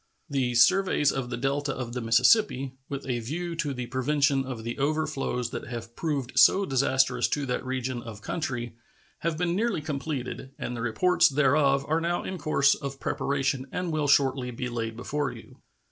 The surveys of the Delta of the Mississippi, with a view to the prevention of the overflows that have proved so disastrous to that region of country, have been nearly completed, and the reports thereof are now in course of preparation and will shortly be laid before you.